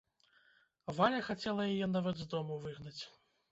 Валя хацела яе нават з дому выгнаць.